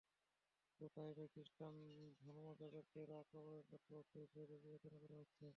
শুধু তা-ই নয়, খ্রিষ্টান ধর্মযাজকদেরও আক্রমণের লক্ষ্যবস্তু হিসেবে বিবেচনা করা হচ্ছে।